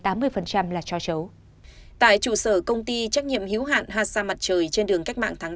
tại trụ sở công ty trách nhiệm hiệu hạn hà sa mặt trời trên đường cách mạng tháng tám